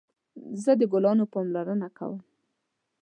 زه د ګلانو پاملرنه کوم